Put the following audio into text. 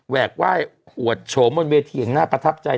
กไหว้อวดโฉมบนเวทีอย่างน่าประทับใจ